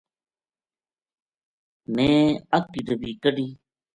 میں اَگ کی ڈَبی کَڈہی